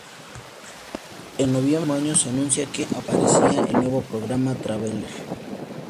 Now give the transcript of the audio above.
En noviembre del mismo año se anunció que aparecería en el nuevo programa "Traveler".